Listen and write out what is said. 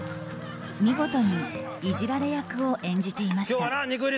見事にいじられ役を演じていました。